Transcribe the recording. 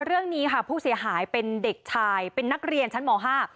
เรื่องนี้ค่ะผู้เสียหายเป็นเด็กชายเป็นนักเรียนชั้นหมอห้า